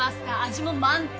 味も満点！